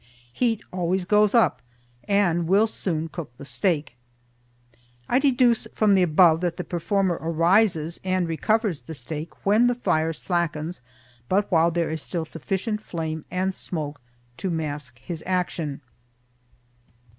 Heat always goes up and will soon cook the steak. I deduce from the above that the performer arises and recovers the steak when the fire slackens but while there is still sufficient flame and smoke to mask his action.